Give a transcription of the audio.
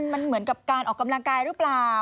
มันเหมือนกับการออกกำลังกายหรือเปล่า